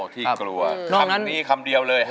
ที่กลัวคำนี้คำเดียวเลย